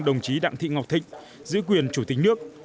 đồng chí đặng thị ngọc thịnh giữ quyền chủ tịch nước